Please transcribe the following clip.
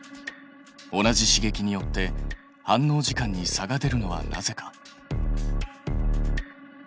同じ刺激によって反応時間に差が出るのはなぜか？